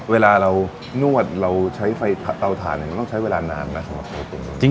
เวลาเรานวดเนื้อเคยจะไปในเวลานานไหม